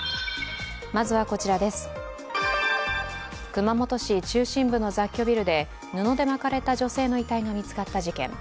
熊本市中心部の雑居ビルで、布で巻かれた女性の遺体が見つかった事件。